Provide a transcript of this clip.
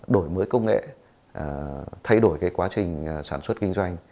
đổi mới công nghệ thay đổi cái quá trình sản xuất kinh doanh